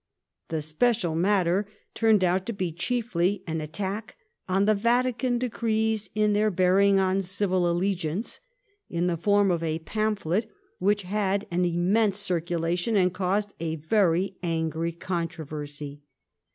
The "special matter" turned out to be chiefly an attack on " The Vatican Decrees in their bear ing on Civil Allegiance," in the form of a pamphlet which had an immense circulation and caused a very angry controversy.